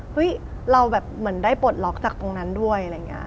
เราแบบเหมือนได้ปลดล็อกจากตรงนั้นด้วยอะไรอย่างนี้